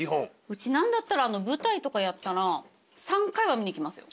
うち何だったら舞台とかやったら３回は見に来ますよ。